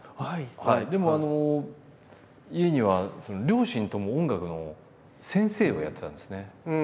でも家には両親とも音楽の先生をやってたんですね。